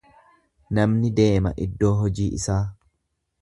Namni deema iddoo hojii isaa.